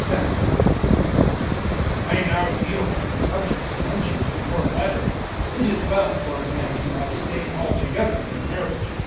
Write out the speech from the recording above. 007:001 I now deal with the subjects mentioned in your letter. It is well for a man to abstain altogether from marriage.